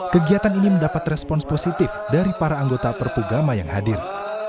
kegiatan ini mendapat respons positif dari para anggota perpugama yang hadir